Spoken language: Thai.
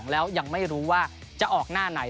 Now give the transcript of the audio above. แล้วยังไม่รู้ว่าจะออกหน้าไหน